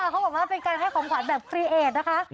เขาบอกว่าเป็นการให้ของขวัญแบบฟรีเอทนะคะ